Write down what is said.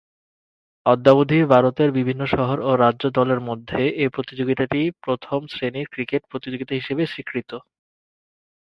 অদ্যাবধি ভারতের বিভিন্ন শহর ও রাজ্য দলের মধ্যে এ প্রতিযোগিতাটি প্রথম-শ্রেণীর ক্রিকেট প্রতিযোগিতা হিসেবে স্বীকৃত।